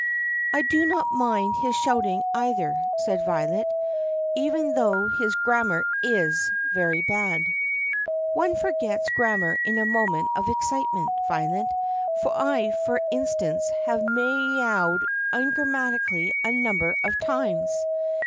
"I do not mind his shouting either," said Violet, "even though his grammar is very bad." "One forgets grammar in a moment of excitement, Violet. I, for instance, have mee owed ungrammatically a number of times."